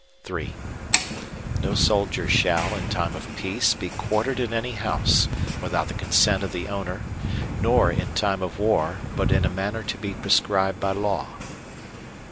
III No soldier shall, in time of peace be quartered in any house, without the consent of the owner, nor in time of war, but in a manner to be prescribed by law.